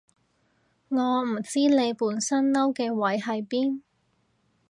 我唔知你本身嬲嘅位喺邊